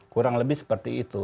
kurang lebih seperti itu